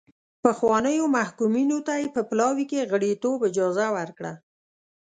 پخوانیو محکومینو ته یې په پلاوي کې غړیتوب اجازه ورکړه.